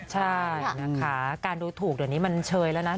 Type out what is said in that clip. ใช่นะคะการดูถูกเดี๋ยวนี้มันเชยแล้วนะ